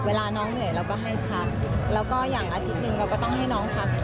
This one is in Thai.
เวลาน้องเหนื่อยเราก็ให้พักแล้วก็อย่างอาทิตย์หนึ่งเราก็ต้องให้น้องพัก